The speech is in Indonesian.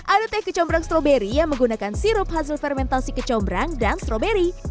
ada teh kecombrang stroberi yang menggunakan sirup hasil fermentasi kecombrang dan stroberi